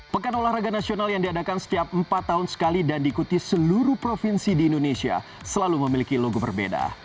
pekan olahraga nasional yang diadakan setiap empat tahun sekali dan diikuti seluruh provinsi di indonesia selalu memiliki logo berbeda